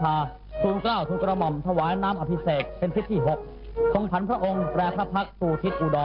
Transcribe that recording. จากนั้นเวลา๑๑นาฬิกาเศรษฐ์พระธินั่งไพรศาลพักศิลป์